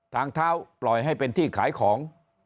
ทางเท้าปล่อยให้เป็นที่ขายของ